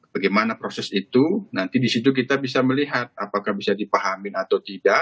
bagaimana proses itu nanti disitu kita bisa melihat apakah bisa dipahamin atau tidak